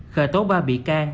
khởi tố ba bị can